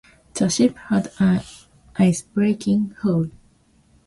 The ship had an icebreaking hull.